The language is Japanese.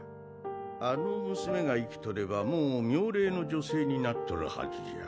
あの娘が生きとればもう妙齢の女性になっとるはずじゃ。